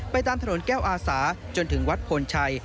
ตามถนนแก้วอาสาจนถึงวัดพลชัย